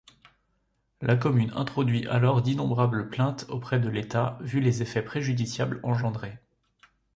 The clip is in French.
La commune introduit alors d'innombrables plaintes auprès de l’État, vu les effets préjudiciables engendrés.